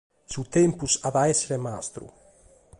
Su tempus at a èssere mastru.